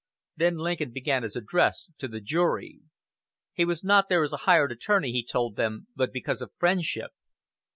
Then Lincoln began his address to the jury. He was not there as a hired attorney, he told them, but because of friendship.